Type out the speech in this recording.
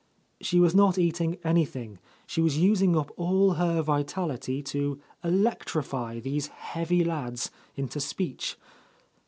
She was not eating anything, she was using up all her vitality to electrify these heavy lads into speech.